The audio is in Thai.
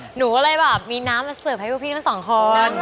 หนูก็เลยแบบมีน้ำมาเสิร์ฟให้พวกพี่ทั้งสองคน